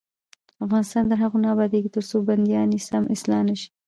افغانستان تر هغو نه ابادیږي، ترڅو بندیان سم اصلاح نشي.